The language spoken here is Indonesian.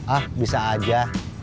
ah bisa aja